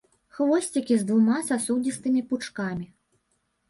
Хвосцікі з двума сасудзістымі пучкамі.